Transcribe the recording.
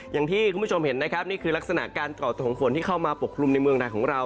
อย่างที่คุณผู้ชมเห็นนะครับนี่คือลักษณะการก่อตัวของฝนที่เข้ามาปกคลุมในเมืองไทยของเรา